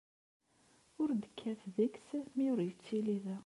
Ur d-kkat deg-s mi ur yettili da.